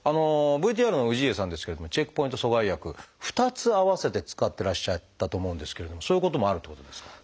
ＶＴＲの氏家さんですけれども免疫チェックポイント阻害薬２つ併せて使ってらっしゃったと思うんですけれどもそういうこともあるっていうことですか？